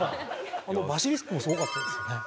あのバシリスクもすごかったですね。